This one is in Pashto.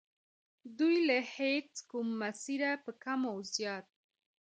دوی له هیچ کوم مسیره په کم و زیات.